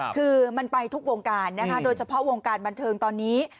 คือมันไปทุกวงการนะคะโดยเฉพาะวงการบันเทิงตอนนี้